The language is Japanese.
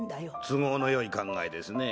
都合のよい考えですね。